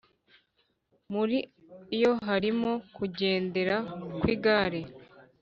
Muri yo harimo kugendera kw’ igare.